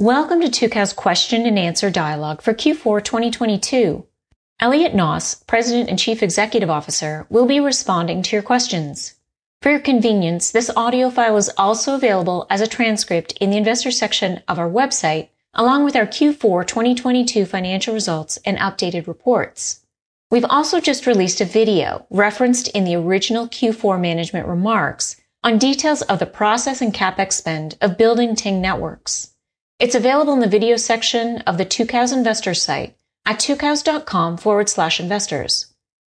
Welcome to Tucows question and answer dialogue for Q4 2022. Elliot Noss, President and Chief Executive Officer, will be responding to your questions. For your convenience, this audio file is also available as a transcript in the investor section of our website, along with our Q4 2022 financial results and updated reports. We've also just released a video referenced in the original Q4 management remarks on details of the process and CapEx spend of building Ting networks. It's available in the video section of the Tucows investor site at tucows.com/investors.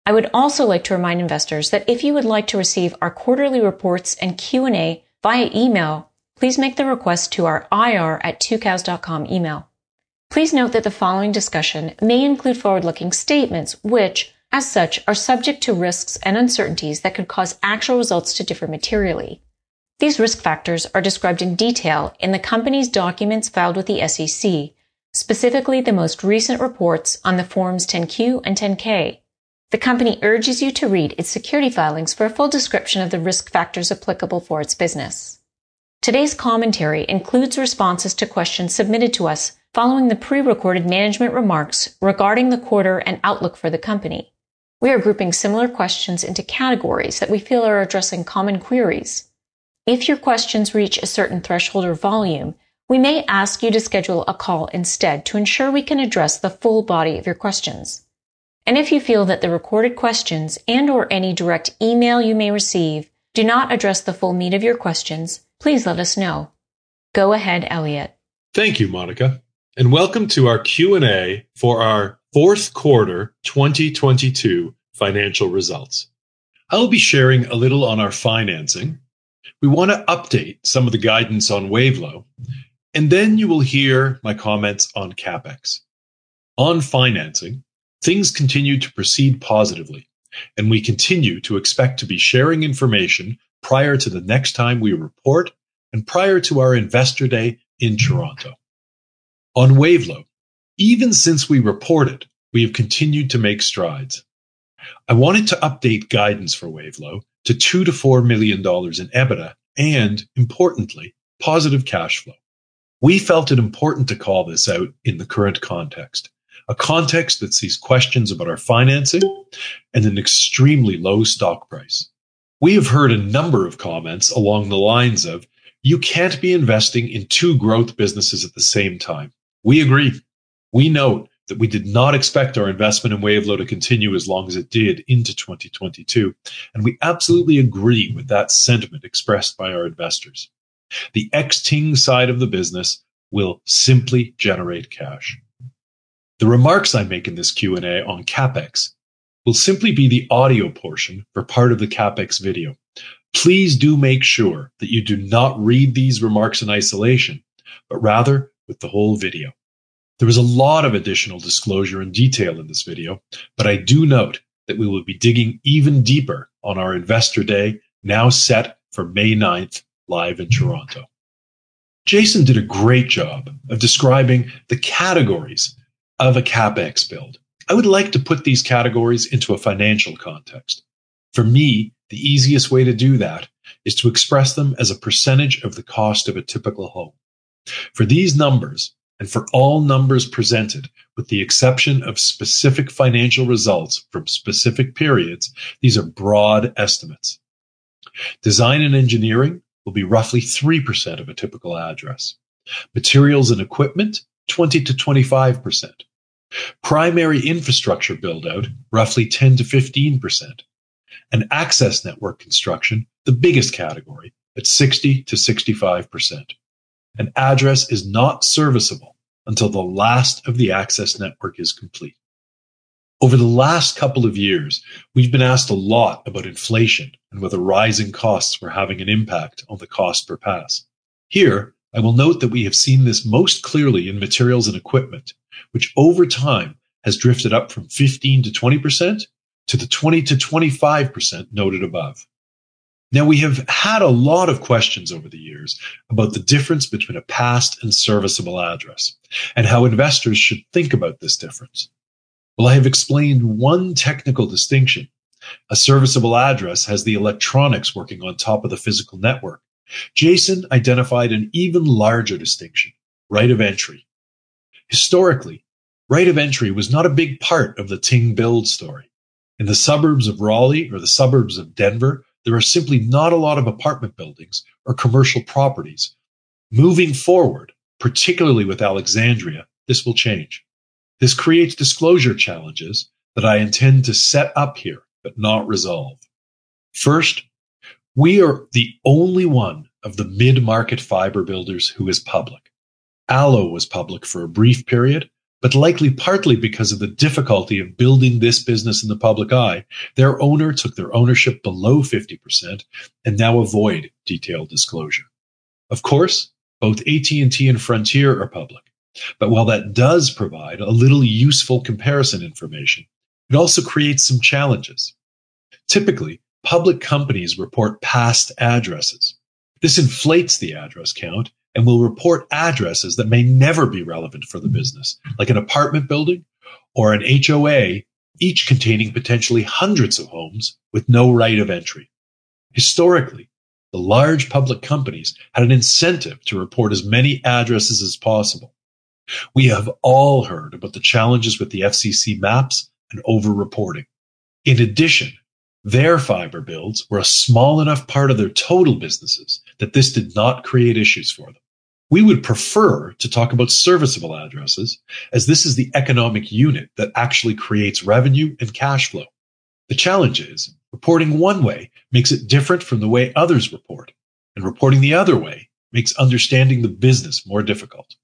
I would also like to remind investors that if you would like to receive our quarterly reports and Q&A via email, please make the request to our ir@tucows.com email. Please note that the following discussion may include forward-looking statements which, as such, are subject to risks and uncertainties that could cause actual results to differ materially. These risk factors are described in detail in the company's documents filed with the SEC, specifically the most recent reports on the Forms 10-Q and 10-K. The company urges you to read its security filings for a full description of the risk factors applicable for its business. Today's commentary includes responses to questions submitted to us following the prerecorded management remarks regarding the quarter and outlook for the company. We are grouping similar questions into categories that we feel are addressing common queries. If your questions reach a certain threshold or volume, we may ask you to schedule a call instead to ensure we can address the full body of your questions. If you feel that the recorded questions and/or any direct email you may receive do not address the full meat of your questions, please let us know. Go ahead, Elliot. Thank you, Monica. Welcome to our Q&A for our fourth quarter 2022 financial results. I will be sharing a little on our financing. We want to update some of the guidance on Wavelo. Then you will hear my comments on CapEx. On financing, things continue to proceed positively. We continue to expect to be sharing information prior to the next time we report and prior to our Investor Day in Toronto. On Wavelo, even since we reported, we have continued to make strides. I wanted to update guidance for Wavelo to $2 million-$4 million in EBITDA and, importantly, positive cash flow. We felt it important to call this out in the current context, a context that sees questions about our financing and an extremely low stock price. We have heard a number of comments along the lines of, "You can't be investing in two growth businesses at the same time." We agree. We note that we did not expect our investment in Wavelo to continue as long as it did into 2022. We absolutely agree with that sentiment expressed by our investors. The ex-Ting side of the business will simply generate cash. The remarks I make in this Q&A on CapEx will simply be the audio portion for part of the CapEx video. Please do make sure that you do not read these remarks in isolation, but rather with the whole video. There is a lot of additional disclosure and detail in this video. I do note that we will be digging even deeper on our Investor Day, now set for May 9th, live in Toronto. Jason did a great job of describing the categories of a CapEx build. I would like to put these categories into a financial context. For me, the easiest way to do that is to express them as a percentage of the cost of a typical home. For these numbers, for all numbers presented, with the exception of specific financial results from specific periods, these are broad estimates. Design and engineering will be roughly 3% of a typical address. Materials and equipment, 20%-25%. Primary infrastructure build-out, roughly 10%-15%. Access network construction, the biggest category, at 60%-65%. An address is not serviceable until the last of the access network is complete. Over the last couple of years, we've been asked a lot about inflation and whether rising costs were having an impact on the cost per pass. Here, I will note that we have seen this most clearly in materials and equipment, which over time has drifted up from 15%-20% to the 20%-25% noted above. We have had a lot of questions over the years about the difference between a passed and serviceable address and how investors should think about this difference. While I have explained one technical distinction, a serviceable address has the electronics working on top of the physical network. Jason identified an even larger distinction, right of entry. Historically, right of entry was not a big part of the Ting build story. In the suburbs of Raleigh or the suburbs of Denver, there are simply not a lot of apartment buildings or commercial properties. Moving forward, particularly with Alexandria, this will change. This creates disclosure challenges that I intend to set up here but not resolve. We are the only one of the mid-market fiber builders who is public. ALLO Communications was public for a brief period, but likely partly because of the difficulty of building this business in the public eye, their owner took their ownership below 50% and now avoid detailed disclosure. Of course, both AT&T Inc. and Frontier Communications are public. While that does provide a little useful comparison information, it also creates some challenges. Typically, public companies report passed addresses. This inflates the address count and will report addresses that may never be relevant for the business, like an apartment building or an HOA, each containing potentially hundreds of homes with no right of entry. Historically, the large public companies had an incentive to report as many addresses as possible. We have all heard about the challenges with the FCC maps and over-reporting. Their fiber builds were a small enough part of their total businesses that this did not create issues for them. We would prefer to talk about serviceable addresses, as this is the economic unit that actually creates revenue and cash flow. The challenge is, reporting one way makes it different from the way others report, and reporting the other way makes understanding the business more difficult.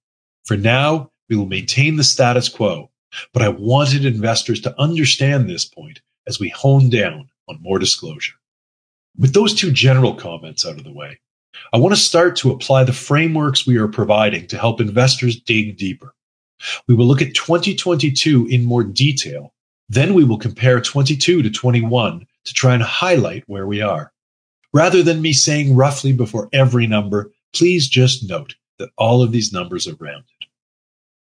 For now, we will maintain the status quo, I wanted investors to understand this point as we hone down on more disclosure. With those two general comments out of the way, I want to start to apply the frameworks we are providing to help investors dig deeper. We will look at 2022 in more detail. We will compare 2022 to 2021 to try and highlight where we are. Rather than me saying roughly before every number, please just note that all of these numbers are rounded.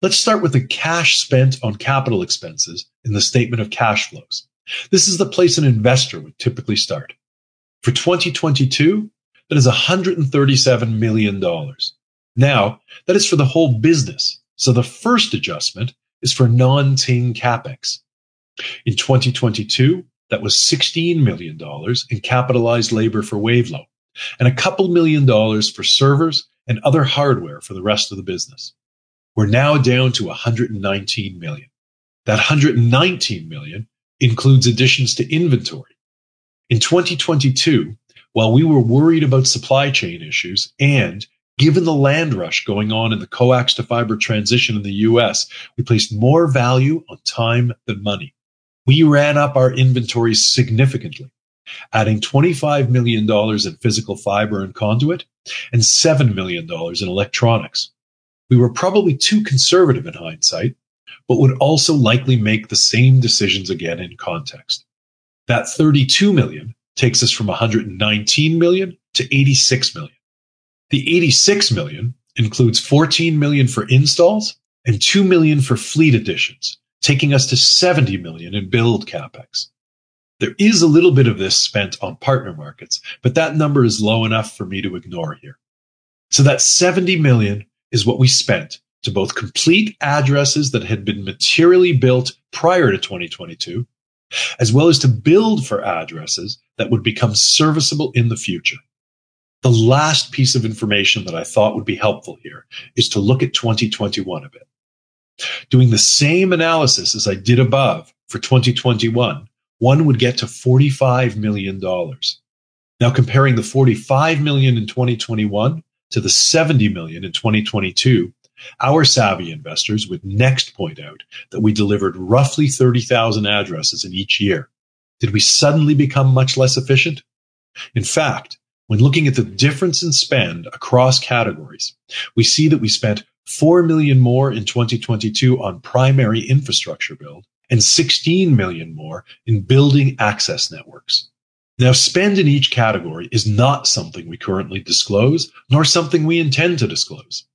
Let's start with the cash spent on capital expenses in the statement of cash flows. This is the place an investor would typically start. For 2022, that is $137 million. Now, that is for the whole business, so the first adjustment is for non-Ting CapEx. In 2022, that was $16 million in capitalized labor for Wavelo and $2 million for servers and other hardware for the rest of the business. We're now down to $119 million. That $119 million includes additions to inventory. In 2022, while we were worried about supply chain issues, and given the land rush going on in the coax to fiber transition in the U.S., we placed more value on time than money. We ran up our inventory significantly, adding $25 million in physical fiber and conduit and $7 million in electronics. We were probably too conservative in hindsight but would also likely make the same decisions again in context. That $32 million takes us from $119 million to $86 million. The $86 million includes $14 million for installs and $2 million for fleet additions, taking us to $70 million in build CapEx. There is a little bit of this spent on partner markets, but that number is low enough for me to ignore here. That $70 million is what we spent to both complete addresses that had been materially built prior to 2022, as well as to build for addresses that would become serviceable in the future. The last piece of information that I thought would be helpful here is to look at 2021 a bit. Doing the same analysis as I did above for 2021, one would get to $45 million. Comparing the $45 million in 2021 to the $70 million in 2022, our savvy investors would next point out that we delivered roughly 30,000 addresses in each year. Did we suddenly become much less efficient? In fact, when looking at the difference in spend across categories, we see that we spent $4 million more in 2022 on primary infrastructure build and $16 million more in building access networks. Spend in each category is not something we currently disclose, nor something we intend to disclose.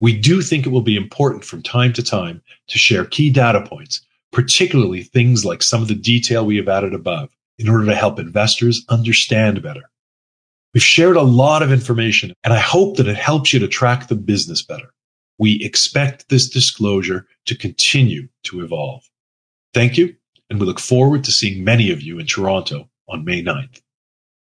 We do think it will be important from time to time to share key data points, particularly things like some of the detail we have added above, in order to help investors understand better. We've shared a lot of information. I hope that it helps you to track the business better. We expect this disclosure to continue to evolve. Thank you. We look forward to seeing many of you in Toronto on May ninth.